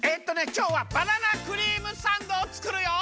きょうはバナナクリームサンドをつくるよ！